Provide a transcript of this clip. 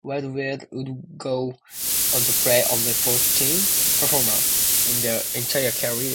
Whirlywirld would go on to play only fourteen performances in their entire career.